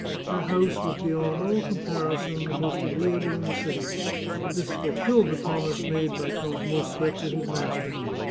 Her house was beyond all comparison the most agreeable in the city. This fulfilled the promise made by Count Mosca to his master.